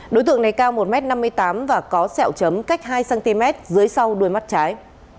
đối tượng này cao một m năm mươi tám và có sẹo chấm cách hai cm dưới sau đuôi mắt trái